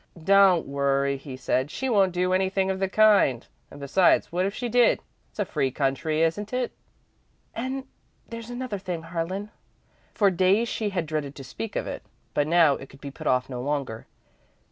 "Don't worry," he said, "she won't do anything of the kind, and, besides, what if she did? It's a free country, isn't it?" "And there's another thing, Harlan." For days she had dreaded to speak of it, but now it could be put off no longer.